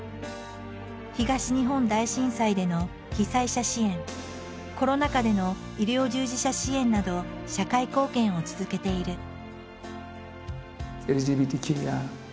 東日本大震災での被災者支援コロナ禍での医療従事者支援など社会貢献を続けている。